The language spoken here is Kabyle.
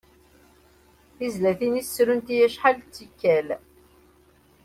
Tizlatin-is srunt-iyi acḥal n tikal.